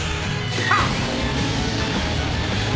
はっ！